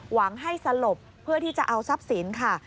หวังให้สลบเพื่อที่จะเอาทรัพย์สินค่ะ